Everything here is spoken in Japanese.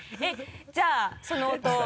じゃあその音